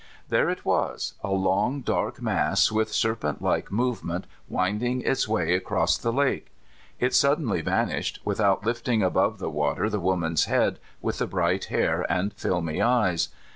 There it was — a long, dark mass, with serpent like movement, winding its way across the lake. It suddenly vanished, without lifting above the water the woman's head with the bright hair and filmy eyes.